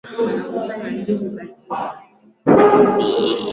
Nigeria yaniyofuata sharia yanaonyeshwa na rangi ya kijani